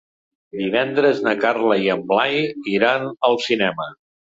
Divendres na Carla i en Blai iran al cinema.